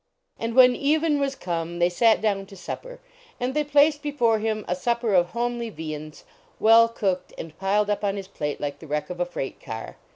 And when even was come they sat down to supper. And they placed before him a supper of homely viands, well cooked, and 188 THE VACATION OF MUSTAPHA piled up on his plate like the wreck of a freight car.